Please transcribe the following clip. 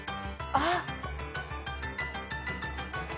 あっ！